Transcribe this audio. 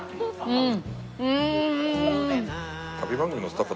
うん！